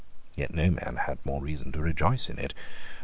Yet no man had more reason to rejoice in it.